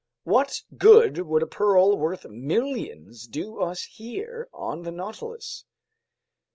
"What good would a pearl worth millions do us here on the Nautilus?"